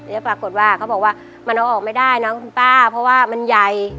แล้วปรากฏว่าเขาบอกว่ามันเอาออกไม่ได้นะคุณป้าเพราะว่ามันใหญ่